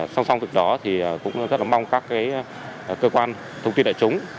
xong xong từ đó cũng rất mong các cơ quan thông tin đại chúng